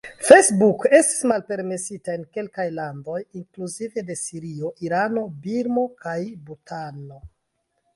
Facebook estis malpermesita en kelkaj landoj, inkluzive de Sirio, Irano, Birmo kaj Butano.